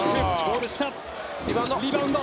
リバウンド。